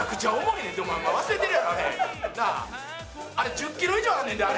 １０キロ以上あんねんであれ。